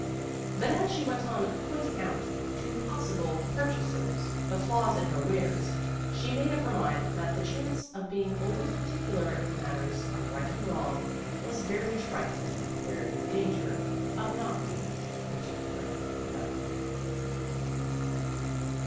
But as she went on pointing out to possible purchasers the flaws in her wares, she made up her mind that the chance of being over particular in matters of right and wrong was very trifling compared with the danger of not being particular enough.